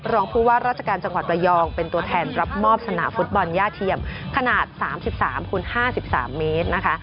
รองผู้ว่าราชการจังหวัดระยองเป็นตัวแทนรับมอบสนามฟุตบอลย่าเทียมขนาด๓๓คูณ๕๓เมตรนะคะ